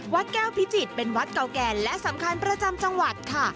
วัดแก้วพิจิตรเป็นวัดเก่าแก่และสำคัญประจำจังหวัดค่ะ